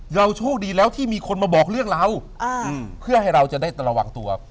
โชคดีแล้วที่มีคนมาบอกเรื่องเราเพื่อให้เราจะได้ระวังตัว